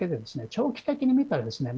長期的に見たらですね